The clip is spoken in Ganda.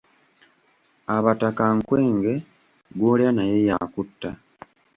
Abataka nkwenge, gw’olya naye yakutta.